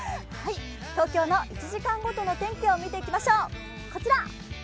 東京の１時間ごとの天気を見ていきましょう。